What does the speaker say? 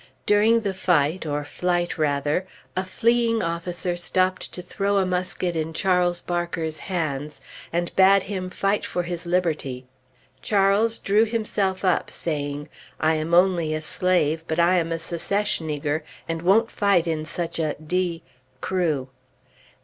During the fight, or flight, rather, a fleeing officer stopped to throw a musket in Charles Barker's hands, and bade him fight for his liberty. Charles drew himself up, saying, "I am only a slave, but I am a Secesh nigger, and won't fight in such a d crew!"